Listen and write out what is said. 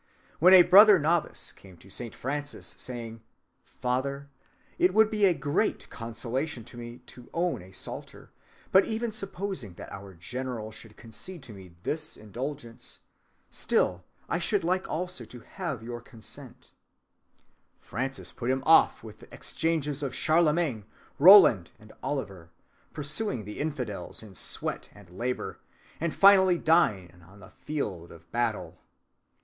When a brother novice came to Saint Francis, saying: "Father, it would be a great consolation to me to own a psalter, but even supposing that our general should concede to me this indulgence, still I should like also to have your consent," Francis put him off with the examples of Charlemagne, Roland, and Oliver, pursuing the infidels in sweat and labor, and finally dying on the field of battle.